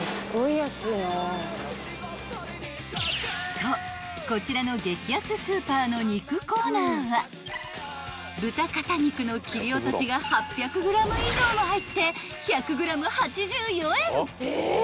［そうこちらの激安スーパーの肉コーナーは豚肩肉の切落しが８００ｇ以上も入って］